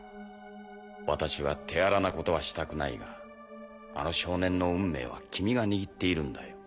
私は手荒なことはしたくないがあの少年の運命は君が握っているんだよ。